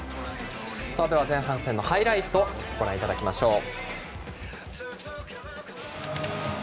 前半のハイライトご覧いただきましょう。